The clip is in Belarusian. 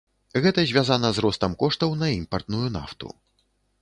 Гэта звязана з ростам коштаў на імпартную нафту.